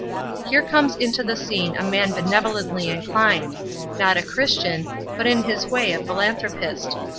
"Here comes into the scene a man benevolently inclined; not a Christian, but in his way a philanthropist.